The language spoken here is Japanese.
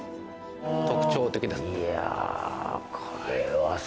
特徴的です。